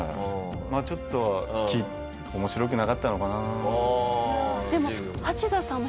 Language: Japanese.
まあちょっと面白くなかったのかな。